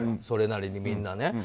それなりに、みんなね。